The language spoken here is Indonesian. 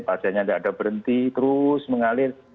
pasiennya tidak ada berhenti terus mengalir